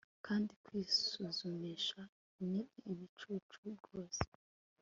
kandi kwisuzumisha ni ibicucu rwose